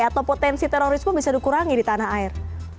atau potensi terorisme bisa dikurangi di tanah air